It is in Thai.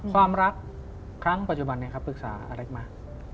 ความรักครั้งปัจจุบันนี้ครับปรึกษาอะไรมา